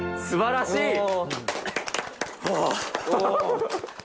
すばらしい。